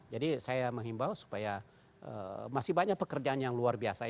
jadi saya mengimbau supaya masih banyak pekerjaan yang luar biasa